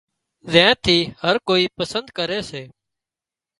زين ٿي هر ڪوئي پسند ڪري سي